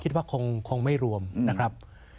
คิดว่าคงไม่รวมนะครับ